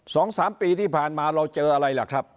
สองสามปีที่ผ่านมาเราเจออะไรล่ะครับ